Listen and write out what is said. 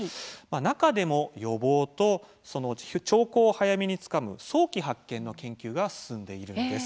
中でも予防と兆候を早めにつかむ早期発見の研究が進んでいるんです。